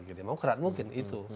bagi demokrat mungkin itu